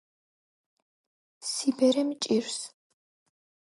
სიბერე მჭირს